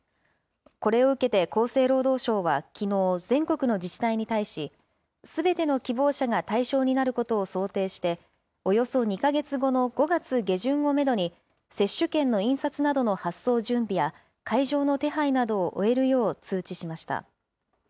これを受けて厚生労働省はきのう、全国の自治体に対し、すべての希望者が対象になることを想定して、およそ２か月後の５月下旬をめどに、接種券の印刷などの発送準備や会場の手配などを終えるよう通知しました。